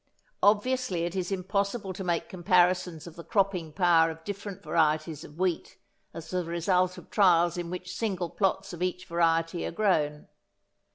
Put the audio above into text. Obviously it is impossible to make comparisons of the cropping power of different varieties of wheat as the result of trials in which single plots of each variety are grown.